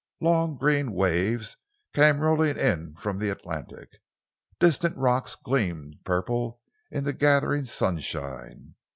Long, green waves came rolling in from the Atlantic. Distant rocks gleamed purple in the gathering sunshine.